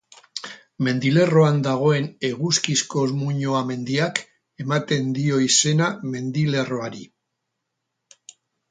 Mendilerroan dagoen Eguzkizko muinoa mendiak ematen dio izena mendilerroari.